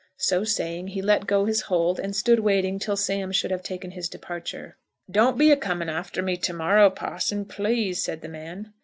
So saying, he let go his hold, and stood waiting till Sam should have taken his departure. "Don't be a coming after me, to morrow, parson, please," said the man.